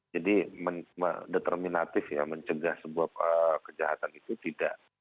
jadi determinatif ya mencegah sebuah kejahatan itu tidak